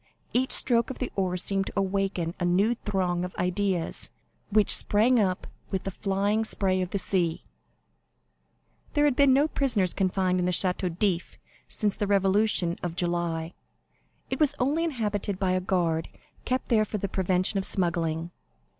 Each stroke of the oar seemed to awaken a new throng of ideas, which sprang up with the flying spray of the sea. 50219m There had been no prisoners confined in the Château d'If since the revolution of July; it was only inhabited by a guard, kept there for the prevention of smuggling.